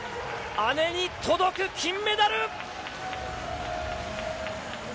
姉に届く金メダル！